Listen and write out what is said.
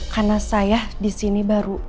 karena saya disini baru